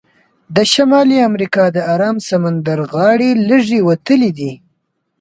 د شمالي امریکا د ارام سمندر غاړې لږې وتلې دي.